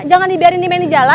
jangan dibiarin dimain di jalan